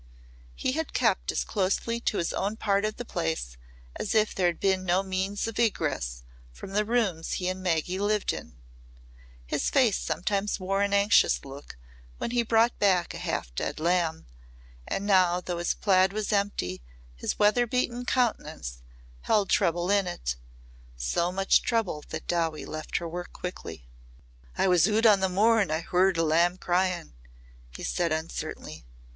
He had kept as closely to his own part of the place as if there had been no means of egress from the rooms he and Maggy lived in. His face sometimes wore an anxious look when he brought back a half dead lamb, and now though his plaid was empty his weather beaten countenance had trouble in it so much trouble that Dowie left her work quickly. "I was oot o' the moor and I heard a lamb cryin'," he said uncertainly.